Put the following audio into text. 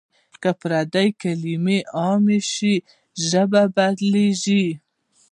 که پردۍ کلمې عامې شي ژبه بدلېږي.